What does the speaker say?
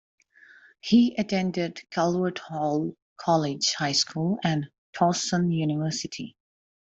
He attended Calvert Hall College High School and Towson University.